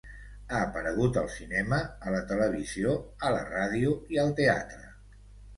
Ha aparegut al cinema, a la televisió, a la ràdio i al teatre.